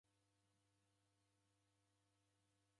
Kwaki ulekerelo?